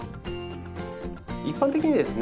一般的にですね